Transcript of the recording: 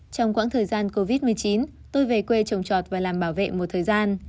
trong quãng thời gian covid một mươi chín tôi về quê trồng trọt và làm bảo vệ một thời gian